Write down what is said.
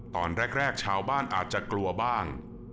ตอนแรกชาวบ้านอาจจะกลัวบ้าง